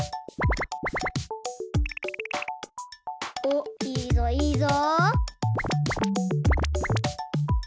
おっいいぞいいぞ！